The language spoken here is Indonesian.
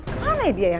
kenapa dia ya